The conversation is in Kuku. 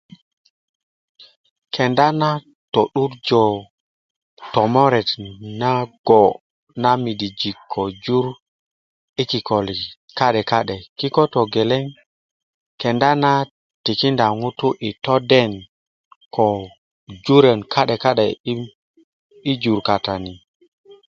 kenda na to'durjö tomore nago na midijin ko jur i kikölin ka'de ka'de kiko togeleŋ kenda na tikinda ŋutu i toden ko jurön ka'de ka'de i jur kata ni